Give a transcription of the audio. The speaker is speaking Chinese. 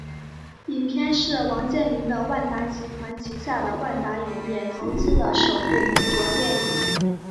影片是王健林的万达集团旗下的万达影业投资的首部美国电影。